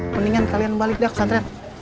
mendingan kalian balik ke pesantren